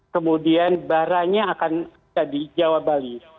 kemudian baranya akan jadi jawa bali